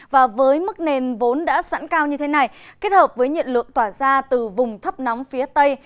và với mức nền vốn đã sẵn cao như thế này kết hợp với nhiệt lượng tỏa ra từ vùng thấp nóng phía tây